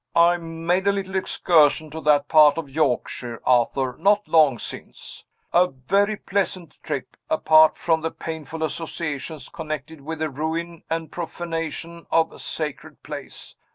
"I made a little excursion to that part of Yorkshire, Arthur, not long since. A very pleasant trip apart from the painful associations connected with the ruin and profanation of a sacred place.